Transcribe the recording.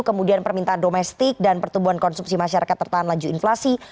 kemudian permintaan domestik dan pertumbuhan konsumsi masyarakat tertahan laju inflasi